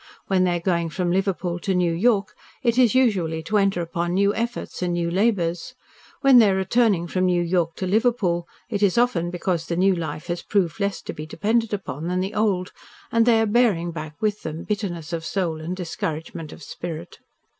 When they are going from Liverpool to New York, it is usually to enter upon new efforts and new labours. When they are returning from New York to Liverpool, it is often because the new life has proved less to be depended upon than the old, and they are bearing back with them bitterness of soul and discouragement of spirit.